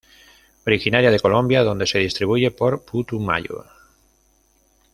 Originaria de Colombia, donde se distribuye por Putumayo.